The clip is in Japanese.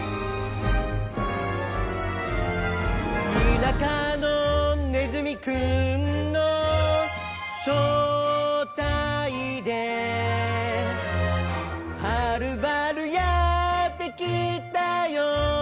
「田舎のねずみくんのしょうたいで」「はるばるやってきたよ」